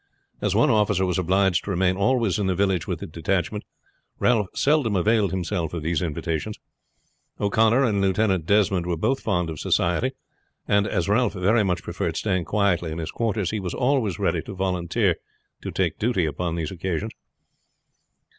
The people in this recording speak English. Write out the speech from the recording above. As one officer was obliged to remain always in the village with the detachment, Ralph seldom availed himself of these invitations. O'Connor and Lieutenant Desmond were both fond of society; and, as Ralph very much preferred staying quietly in his quarters, he was always ready to volunteer to take duty upon these occasions.